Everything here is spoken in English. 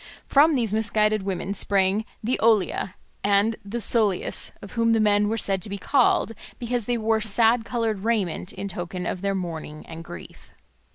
From these misguided women sprang the Oleae and the Psoloeis, of whom the men were said to be so called because they wore sad coloured raiment in token of their mourning and grief.